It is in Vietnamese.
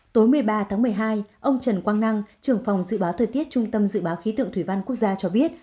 tối một mươi ba tháng một mươi hai ông trần quang năng trưởng phòng dự báo thời tiết trung tâm dự báo khí tượng thủy văn quốc gia cho biết